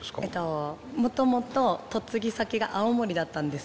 もともと嫁ぎ先が青森だったんです。